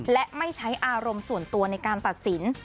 และไม่ใช้อารมณ์ส่วนตัวในการตัดสิน